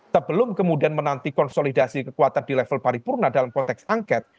sebelum kemudian menanti konsolidasi kekuatan di level paripurna dalam konteks angket